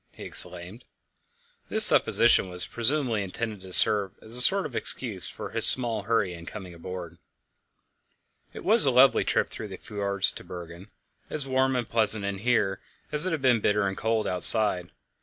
he exclaimed. This supposition was presumably intended to serve as a sort of excuse for his small hurry in coming on board. It was a lovely trip through the fjords to Bergen, as warm and pleasant in here as it had been bitter and cold outside.